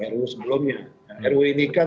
ruu sebelumnya ru ini kan